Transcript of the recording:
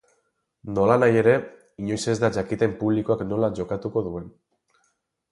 Nolanahi ere, inoiz ez da jakiten publikoak nola jokatuko duen.